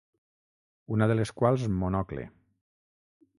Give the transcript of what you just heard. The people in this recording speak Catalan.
Una de les quals “Monocle”.